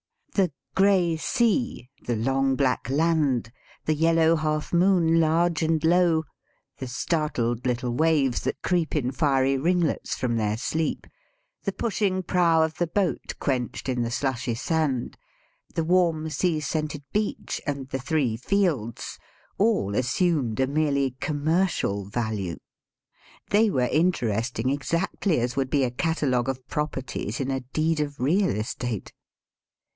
The " gray sea, the long black land, the yellow half moon large and low, the star tled little waves that creep in fiery ringlets from their sleep, the pushing prow of the boat quenched in the slushy sand, the warm, 75 THE SPEAKING VOICE sea scented beach, and the three fields" all assumed a merely commercial value. They were interesting exactly as would be a cata logue of properties in a deed of real estate.